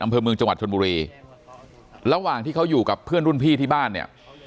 อำเภอเมืองจังหวัดชนบุรีระหว่างที่เขาอยู่กับเพื่อนรุ่นพี่ที่บ้านเนี่ย